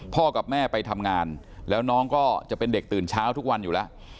กับแม่ไปทำงานแล้วน้องก็จะเป็นเด็กตื่นเช้าทุกวันอยู่แล้ว